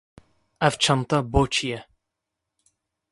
Ev çente boçî ye